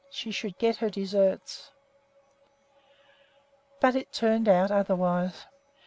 She should get her deserts. But it turned out otherwise.